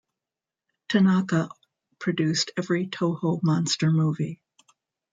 Tanaka produced every Toho monster movie.